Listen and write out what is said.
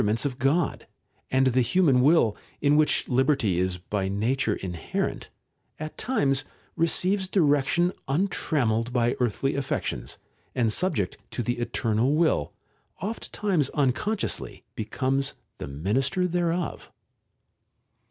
62 LEITERS OF DANTE rnents of God ; and the human will, in which liberty is by nature inherent, at times receives direction untram melled by earthly affections, and subject to the Eternal Will oft times unconsciously becomes the minister thereof.